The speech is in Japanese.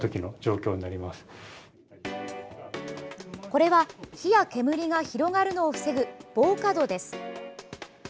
これは、火や煙が広がるのを防ぐ防火戸です。